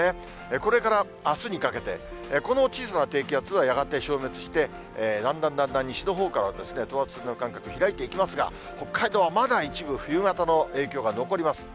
これからあすにかけて、この小さな低気圧はやがて消滅して、だんだんだんだん西のほうからは等圧線の間隔、開いていきますが、北海道はまだ一部、冬型の影響が残ります。